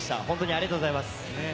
ありがとうございます。